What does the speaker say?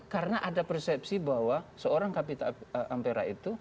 karena ada persepsi bahwa seorang kapitra ampera itu